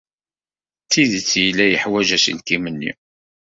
D tidet yella yeḥwaj aselkim-nni.